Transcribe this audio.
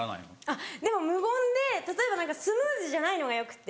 あっでも無言で例えばスムーズじゃないのがよくて。